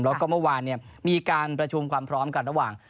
แล้วก็เมื่อวานมีการประชุมความพร้อมกันระหว่าง